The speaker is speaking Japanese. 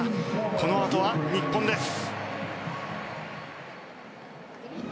このあとは日本です。